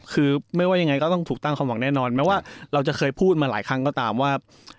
คือไม่ว่ายังไงก็ต้องถูกตั้งความหวังแน่นอนแม้ว่าเราจะเคยพูดมาหลายครั้งก็ตามว่า